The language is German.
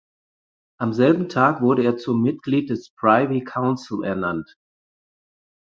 Am selben Tag wurde er zum Mitglied des Privy Council ernannt.